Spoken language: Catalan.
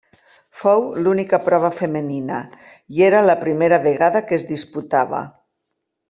Fou l'única prova femenina i era la primera vegada que es disputava.